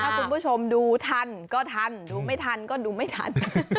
ถ้าคุณผู้ชมดูทันก็ทันดูไม่ทันก็ดูไม่ทัน